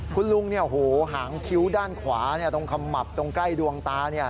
คุณลุงหางคิ้วด้านขวาตรงขมับตรงใกล้ดวงตา